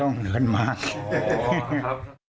หลวงเลือดมาก